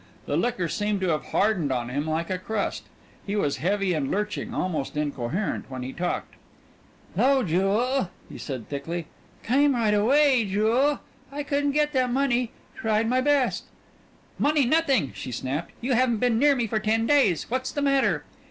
The liquor seemed to have hardened on him like a crust. He was heavy and lurching almost incoherent when he talked. "'Lo, Jewel," he said thickly. "Came right away, Jewel, I couldn't get that money. Tried my best." "Money nothing!" she snapped. "You haven't been near me for ten days. What's the matter?"